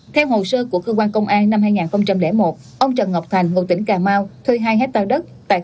theo hồ sơ của cơ quan công an năm hai nghìn một ông trần ngọc thành ngụ tỉnh cà mau thuê hai hectare đất